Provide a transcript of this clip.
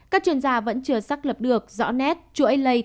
các chuyên gia vẫn chưa xác lập được rõ nét chuỗi ai